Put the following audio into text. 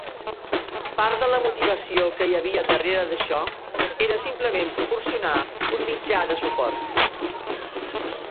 Part de la motivació que hi havia darrere d'això era simplement proporcionar un mitjà de suport.